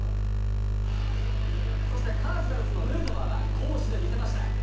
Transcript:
そしてカージナルスのヌートバーは攻守で見せました。